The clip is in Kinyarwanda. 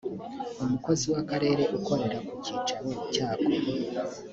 umukozi w’akarere ukorera ku cyicaro cyako